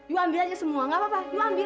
yuk ambil aja semua nggak apa apa yuk ambil